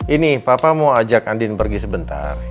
ini papa mau ajak andin pergi sebentar